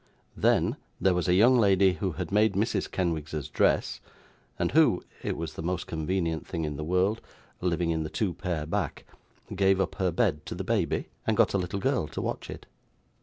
Then, there was a young lady who had made Mrs. Kenwigs's dress, and who it was the most convenient thing in the world living in the two pair back, gave up her bed to the baby, and got a little girl to watch it.